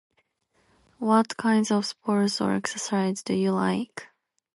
What kinds of sports or exercise do you like?